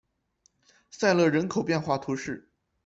塞勒人口变化图示